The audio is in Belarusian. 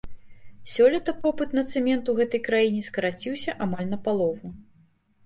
Сёлета попыт на цэмент у гэтай краіне скараціўся амаль на палову.